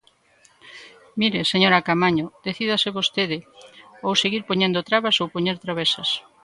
Mire, señora Caamaño, decídase vostede, ou seguir poñendo trabas ou poñer travesas.